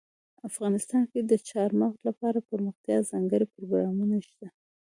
افغانستان کې د چار مغز لپاره دپرمختیا ځانګړي پروګرامونه شته.